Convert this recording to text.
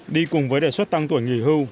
đi cùng với đề xuất tăng tuổi nghỉ hưu